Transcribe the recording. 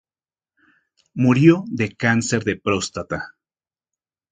Murió de cáncer de próstata.